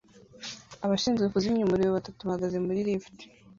Abashinzwe kuzimya umuriro batatu bahagaze muri lift